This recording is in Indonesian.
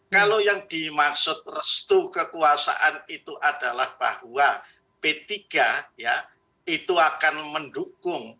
kalau yang dimaksud restu kekuasaan itu adalah bahwa p tiga ya itu akan mendukung